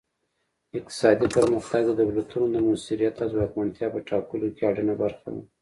اقتصادي پرمختګ د دولتونو د موثریت او ځواکمنتیا په ټاکلو کې اړینه برخه ده